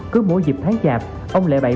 cứ mỗi dịp tháng chạp ông lệ bậy